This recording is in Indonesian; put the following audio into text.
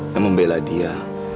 yang membela dia